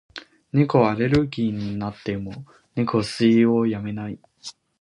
猫アレルギーになっても、猫吸いをやめない。